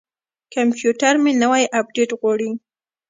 کمپیوټر مې نوی اپډیټ غواړي.